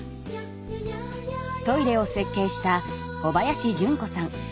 トイレを設計した小林純子さん。